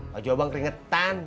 baju abang keringetan